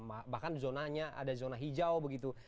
ada yang juga bahkan zonanya ada zona hijau begitu